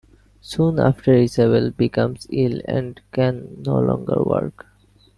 Soon after, Isabel becomes ill, and can no longer work.